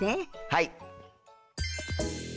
はい。